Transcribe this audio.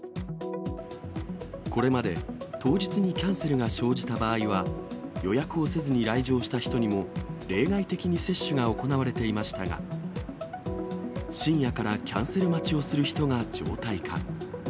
これまで、当日にキャンセルが生じた場合は、予約をせずに来場した人にも例外的に接種が行われていましたが、深夜からキャンセル待ちをする人が常態化。